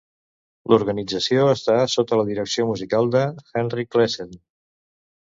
L'organització està sota la direcció musical de Hanrich Claassen.